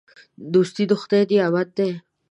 دوستي د خدای نعمت دی.